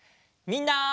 みんな！